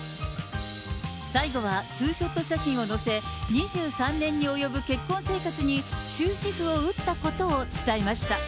最後はツーショット写真を載せ、２３年に及ぶ結婚生活に終止符を打ったことを伝えました。